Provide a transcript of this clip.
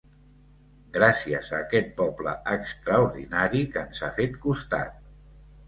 Gràcies a aquest poble extraordinari que ens ha fet costat.